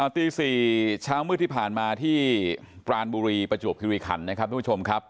ตี๔เช้ามืดที่ผ่านมาที่ปรานบุรีประจวบคิริขันนะครับทุกผู้ชมครับ